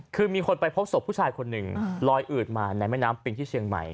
คือมีคนไปพบศพผู้ชายคนหนึ่งลอยอืดมาในแม่น้ำปิงที่เชียงใหม่